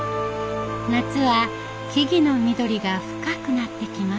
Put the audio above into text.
夏は木々の緑が深くなってきます。